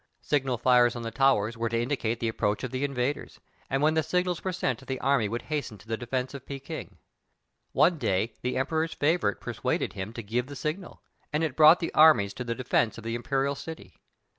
Signal fires on the towers were to indicate the approach of the invaders, and when the signals were sent the army would hasten to the defense of Pekin. One day the emperor's favorite persuaded him to give the signal, and it brought the armies to the defense of the imperial city.